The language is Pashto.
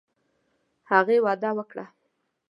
هغې وعده وکړه.